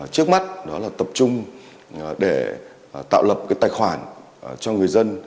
trước mắt đó là tập trung để tạo lập tài khoản cho người dân